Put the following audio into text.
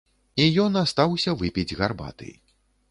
І ён астаўся выпіць гарбаты.